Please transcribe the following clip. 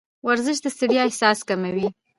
ورزش د ستړیا احساس کموي.